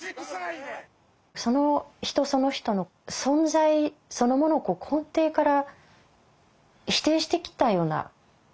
その人その人の存在そのものを根底から否定してきたような事件だったわけですよね。